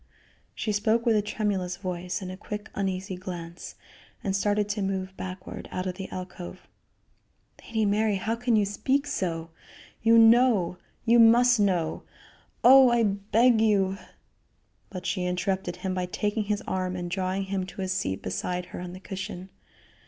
She spoke with a tremulous voice and a quick, uneasy glance, and started to move backward out of the alcove. "Lady Mary, how can you speak so? You know you must know oh! I beg you " But she interrupted him by taking his arm and drawing him to a seat beside her on the cushion.